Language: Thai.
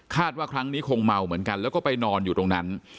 ว่าครั้งนี้คงเมาเหมือนกันแล้วก็ไปนอนอยู่ตรงนั้น